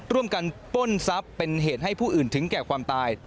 ปล้นทรัพย์เป็นเหตุให้ผู้อื่นถึงแก่ความตาย